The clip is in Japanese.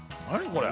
これ！